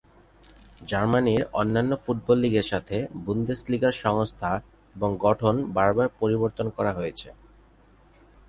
জার্মানির অন্যান্য ফুটবল লীগের সাথে বুন্দেসলিগার সংস্থা এবং গঠন বারবার পরিবর্তন করা হয়েছে।